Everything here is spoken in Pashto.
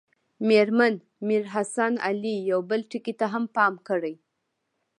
مېرمن میر حسن علي یو بل ټکي ته هم پام کړی.